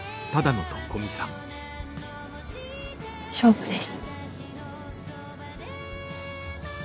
勝負です。